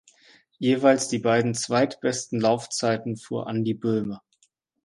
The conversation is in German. Jeweils die beiden zweitbesten Laufzeiten fuhr Andy Böhme.